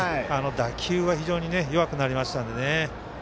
打球が弱くなりましたのでね。